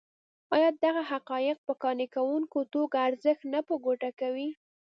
ایا دغه حقایق په قانع کوونکې توګه ارزښت نه په ګوته کوي.